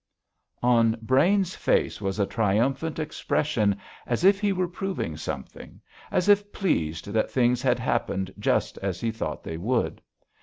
On Brains's face was a triumphant expression as if he were proving something, as if pleased that things had happened just as he thought they would.